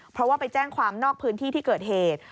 เพราะว่าไปแจ้งความนอกพื้นที่ที่เกิดเหตุ